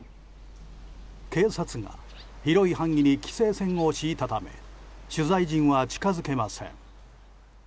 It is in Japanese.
警察が広い範囲に規制線を敷いたため取材陣は近づけません。